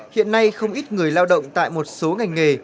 hiện nay không ít người lao động tại một số ngành nghề